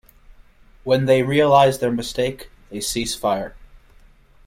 When they realize their mistake, they cease fire.